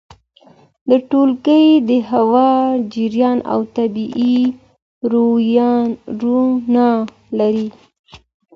د ټولګي د هوايي جریان او طبیعي رؤڼا لرل!